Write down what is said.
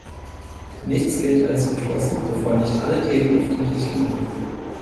Nichts gilt als beschlossen, bevor nicht alle Themen auf dem Tisch liegen.